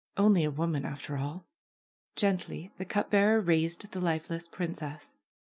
Only a woman, after all ! Gently the cup bearer raised the lifeless princess.